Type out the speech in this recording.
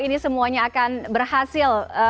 ini semuanya akan berhasil